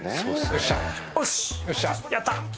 よっしゃおしっやった！